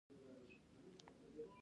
مغزيات د مغز لپاره ښه دي